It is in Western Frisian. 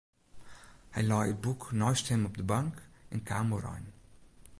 Hy lei it boek neist him op de bank en kaam oerein.